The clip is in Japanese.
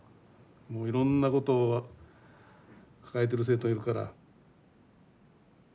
もういろんなことを抱えている生徒いるから。